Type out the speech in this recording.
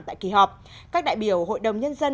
tại kỳ họp các đại biểu hội đồng nhân dân